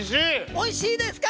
おいしいですか！